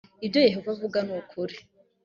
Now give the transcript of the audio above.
ibyo yehova avuga nukuri.